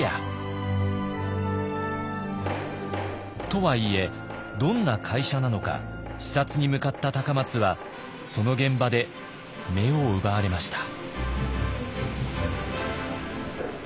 とはいえどんな会社なのか視察に向かった松はその現場で目を奪われました。